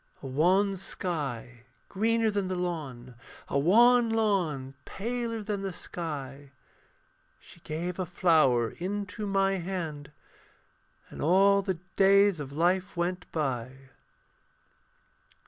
A wan sky greener than the lawn, A wan lawn paler than the sky. She gave a flower into my hand, And all the days of life went by.